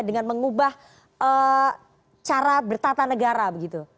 dengan mengubah cara bertata negara begitu